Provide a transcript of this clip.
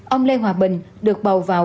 ông lê hòa bình được bầu vào